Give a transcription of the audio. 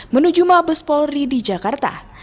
menuju mabespol di jakarta